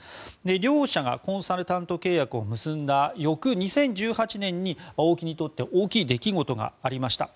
両者がコンサルタント契約を結んだ翌２０１８年にＡＯＫＩにとって大きい出来事がありました。